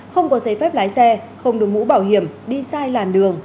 không có giấy phép lái xe không đổi mũ bảo hiểm đi sai làn đường